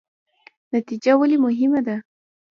نتیجه ولې مهمه ده؟